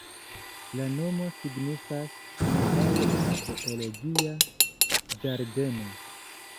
La nomo signifas "antaŭ la zoologia ĝardeno".